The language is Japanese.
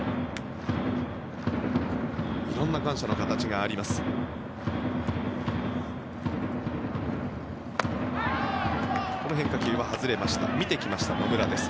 色んな感謝の形があります。